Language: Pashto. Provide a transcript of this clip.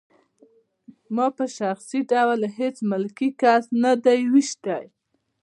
ما په شخصي ډول هېڅ ملکي کس نه دی ویشتی